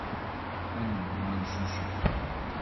Ad neddu ad neccucef.